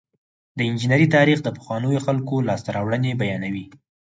د انجنیری تاریخ د پخوانیو خلکو لاسته راوړنې بیانوي.